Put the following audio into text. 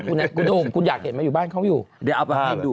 กูอยากเห็นมาอยู่บ้านเขาอยู่เดี๋ยวเอาไปดู